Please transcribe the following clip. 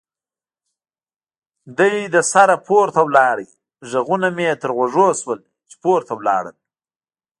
دی له سره پورته ولاړ، غږونه مې یې تر غوږو شول چې پورته ولاړل.